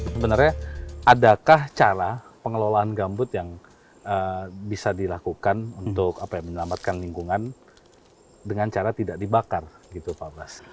sebenarnya adakah cara pengelolaan gambut yang bisa dilakukan untuk menyelamatkan lingkungan dengan cara tidak dibakar gitu pak bras